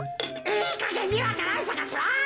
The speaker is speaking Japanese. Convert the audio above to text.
いいかげんにわか蘭さかせろ！